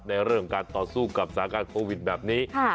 ในเรื่องของการต่อสู้กับสถานการณ์โควิดแบบนี้